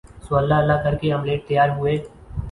سو اللہ اللہ کر کے آملیٹ تیار ہوئے